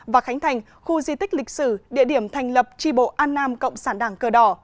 và khánh thành khu di tích lịch sử địa điểm thành lập tri bộ an nam cộng sản đảng cờ đỏ